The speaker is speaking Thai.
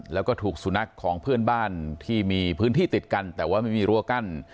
แล้วก็ถูกสุนัขของเพื่อนบ้านที่มีพื้นที่ติดกันแต่ว่าไม่มีรั้วกั้น